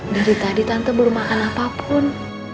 dari tadi tante buru makan apapun